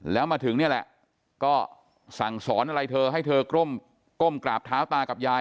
แล้วมาถึงนี่แหละก็สั่งสอนอะไรเธอให้เธอก้มกราบเท้าตากับยาย